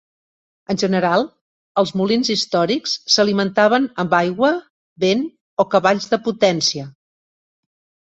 En general, els molins històrics s'alimentaven amb aigua, vent o cavalls de potència.